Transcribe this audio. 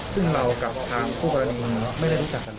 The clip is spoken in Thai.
ซึ่งเรากับทางคู่กรณีไม่ได้รู้จักกัน